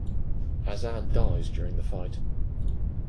Azaan dies during the fight.